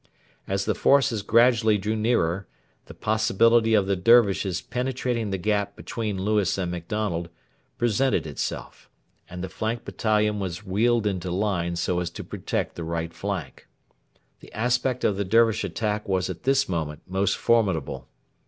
As the forces gradually drew nearer, the possibility of the Dervishes penetrating the gap between Lewis and MacDonald presented itself, and the flank battalion was wheeled into line so as to protect the right flank. The aspect of the Dervish attack was at this moment most formidable.